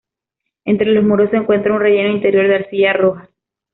Entre los muros se encuentra un relleno interior de arcilla roja.